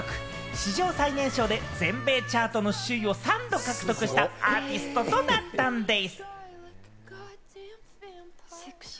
史上最年少で全米チャートの首位を３度獲得したアーティストとなったんでぃす。